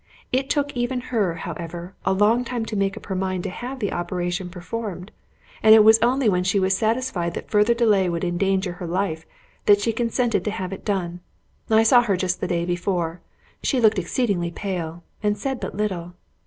It took even her, however, a long time to make up her mind to have the operation performed; and it was only when she was satisfied that further delay would endanger her life, that she consented to have it done. I saw her just the day before; she looked exceedingly pale, and said but little.